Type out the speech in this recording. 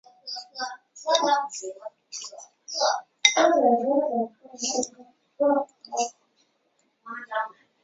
深灰槭为无患子科槭属的植物。